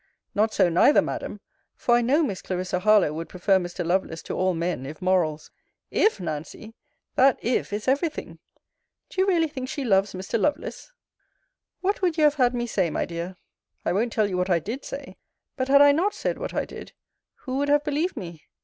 Not so, neither, Madam: for I know Miss Clarissa Harlowe would prefer Mr. Lovelace to all men, if morals IF, Nancy! That if is every thing. Do you really think she loves Mr. Lovelace? What would you have had me say, my dear? I won't tell you what I did say: But had I not said what I did, who would have believed me?